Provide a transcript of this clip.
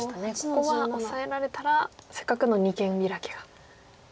ここはオサえられたらせっかくの二間ビラキが台なしと。